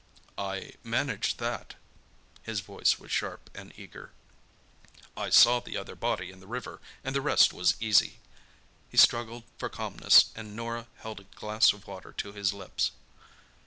"I managed that." His voice was sharp and eager. "I saw the other body in the river and the rest was easy." He struggled for calmness and Norah held a glass of water to his lips.